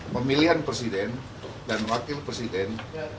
pemilihan presiden dan wakil presiden